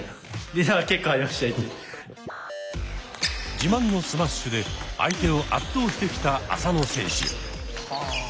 自慢のスマッシュで相手を圧倒してきた浅野選手。